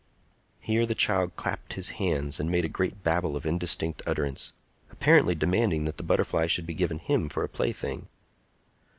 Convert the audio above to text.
Here the child clapped his hands and made a great babble of indistinct utterance, apparently demanding that the butterfly should be given him for a plaything.